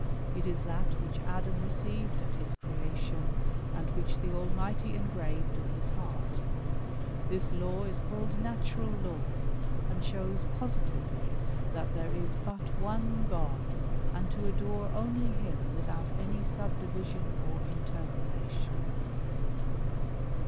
It is that which Adam received at " his creation, and which the Almighty engraved in his heart. " This law is callednatural law, and shows positively that there •' is but one God^ and to adore only him without any sub division '' or interpolation.